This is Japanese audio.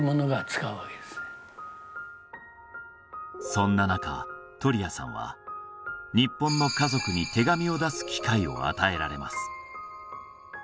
そんななか鳥谷さんは日本の家族に手紙を出す機会を与えられます